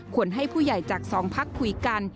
ควรให้ผู้ใหญ่จากสองภาคคุยกัน